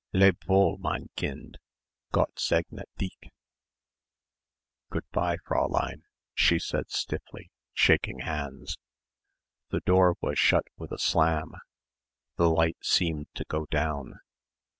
"Leb' wohl, mein Kind, Gott segne dich." "Good bye, Fräulein," she said stiffly, shaking hands. The door was shut with a slam the light seemed to go down.